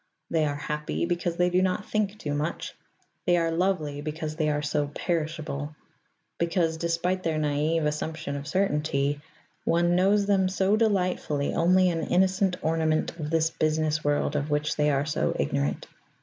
They are happy, because they do not think too much; they are lovely, because they are so perishable, because (despite their naïve assumption of certainty) one knows them so delightfully only an innocent ornament of this business world of which they are so ignorant.